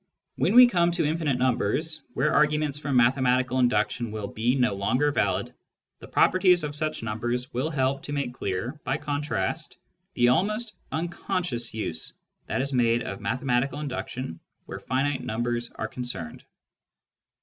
When we come to infinite numbers, where arguments from mathematical induction will be no longer valid, the properties of such numbers will help to make clear, by contrast, the almost unconscious use that is made of mathematical induction where finite numbers are concerned.